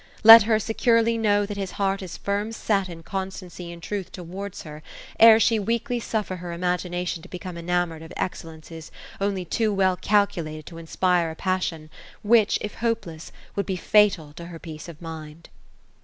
Let her securely know that his heart is firm set in constancy and truth towards her, ere she weakly suffer her imagina tion to become enamoured of excellences only too. well calculated to inspire a passion, which if hopeless, would be fatal to her peace of mind."